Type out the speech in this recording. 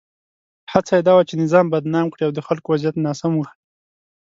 هڅه یې دا وه چې نظام بدنام کړي او د خلکو وضعیت ناسم وښيي.